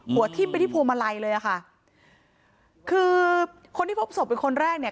ทิ้มไปที่พวงมาลัยเลยอ่ะค่ะคือคนที่พบศพเป็นคนแรกเนี่ย